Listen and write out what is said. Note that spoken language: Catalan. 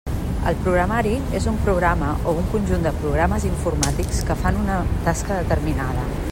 El programari és un programa o un conjunt de programes informàtics que fan una tasca determinada.